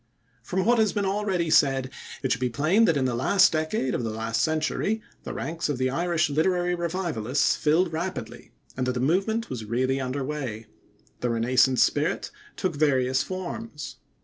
From what has already been said, it should be plain that in the last decade of the last century the ranks of the Irish Literary Revivalists filled rapidly, and that the movement was really under way. The renascent spirit took various forms.